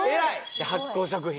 で発酵食品？